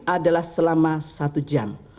adalah selama satu jam